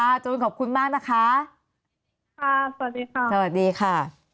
ค่ะจูนขอบคุณมากนะคะค่ะสวัสดีค่ะสวัสดีค่ะ